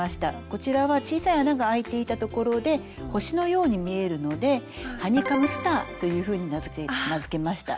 こちらは小さい穴があいていた所で星のように見えるので「ハニカムスター」というふうに名付けました。